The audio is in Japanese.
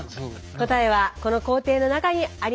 答えはこの工程の中にあります。